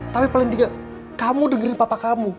tapi paling tidak kamu dengerin papa kamu